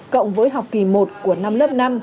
cộng với học kỳ một của năm lớp năm